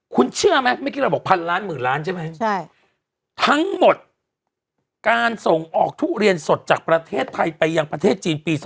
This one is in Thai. คุณเชื่อไหมเมื่อกี้เราบอก๑๐๐ล้านหมื่นล้านใช่ไหมทั้งหมดการส่งออกทุเรียนสดจากประเทศไทยไปยังประเทศจีนปี๒๕๖